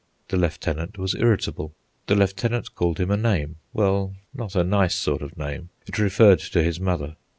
The lieutenant was irritable; the lieutenant called him a name—well, not a nice sort of name. It referred to his mother.